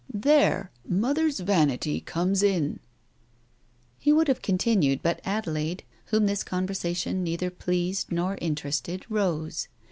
There Mother's vanity comes in. ..." He would have continued, but Adelaide, whom this conversation neither pleased nor interested, rose.